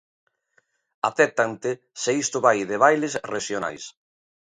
Acéptante se isto vai de bailes rexionais.